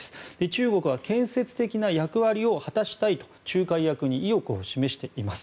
中国は建設的な役割を果たしたいと仲介役に意欲を示しています。